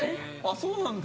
そうなんだ。